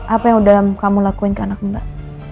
apa yang udah kamu lakuin ke anak mbak